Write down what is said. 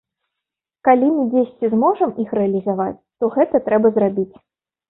Калі мы дзесьці зможам іх рэалізаваць, то гэта трэба зрабіць.